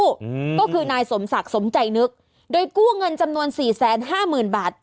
อืมก็คือนายสมศักดิ์สมใจนึกโดยกู้เงินจำนวนสี่แสนห้าหมื่นบาท